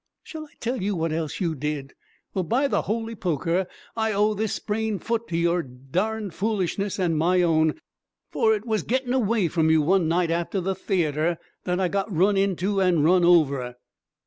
Shall I tell you what else you did? Well, by the holy poker! I owe this sprained foot to your darned foolishness and my own, for it was getting away from you one night after the theatre that I got run into and run over!